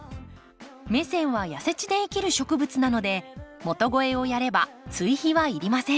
メセンは痩せ地で生きる植物なので元肥をやれば追肥は要りません。